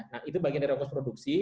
nah itu bagian dari ongkos produksi